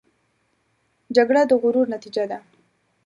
جګړه د غرور نتیجه ده